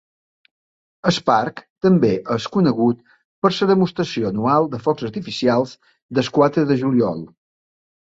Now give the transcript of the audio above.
El parc també és conegut per la demostració anual de focs artificials del quatre de juliol.